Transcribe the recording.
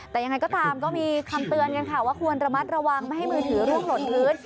แต่ยังไงก็ตามก็มีคำเตือนกันค่ะว่าควรระมัดระวังไม่ให้มือถือร่วงหล่นพื้น